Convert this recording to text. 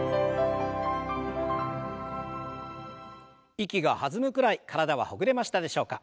息が弾むくらい体はほぐれましたでしょうか。